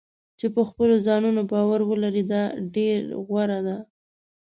چې په خپلو ځانونو باور ولري دا ډېر غوره دی.